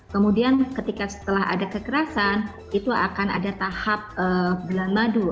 kemudian ketika setelah ada kekerasan itu akan ada tahap bulan madu